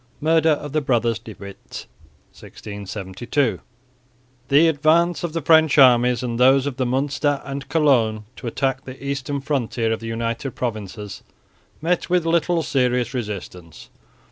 MURDER OF THE BROTHERS DE WITT, 1672 The advance of the French armies and those of Münster and Cologne to attack the eastern frontier of the United Provinces met with little serious resistance.